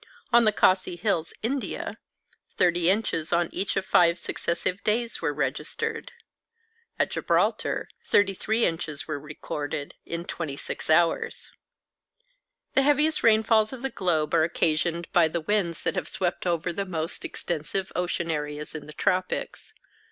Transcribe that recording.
On the Khasi hills, India, 30 inches on each of five successive days were registered. At Gibraltar, 33 inches were recorded in twenty six hours. The heaviest rainfalls of the globe are occasioned by the winds that have swept over the most extensive ocean areas in the tropics.